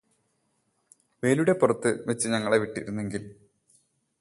വേലിയുടെ പുറത്ത് വച്ച് ഞങ്ങളെ വിട്ടിരുന്നെങ്കില്